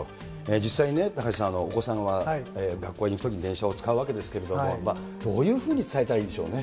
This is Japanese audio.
実際に高橋さん、お子さんは学校に行くときに電車を使うわけですけれども、どういうふうに伝えたらいいんでしょうね。